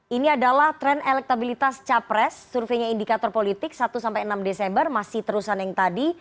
ini adalah tren elektabilitas capres surveinya indikator politik satu sampai enam desember masih terusan yang tadi